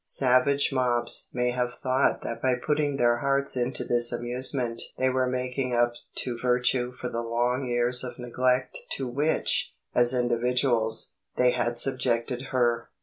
Savage mobs may have thought that by putting their hearts into this amusement they were making up to virtue for the long years of neglect to which, as individuals, they had subjected her.